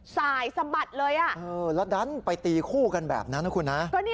สายสะบัดเลยแล้วดันไปตีคู่กันแบบนั้นนะคุณนะ